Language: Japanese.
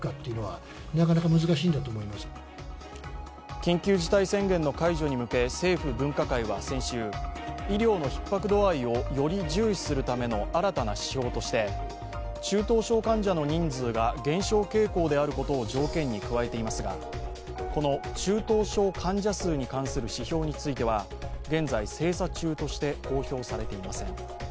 緊急事態宣言の解除に向け、政府分科会は先週、医療のひっ迫度合いをより重視するための新たな指標として中等症患者の人数が減少傾向であることを条件に加えていますがこの中等症患者数に関する指標については、現在、精査中として公表されていません。